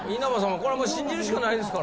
これはもう信じるしかないですからね